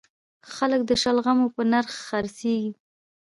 خلک د شلغمو په نرخ خرڅیږي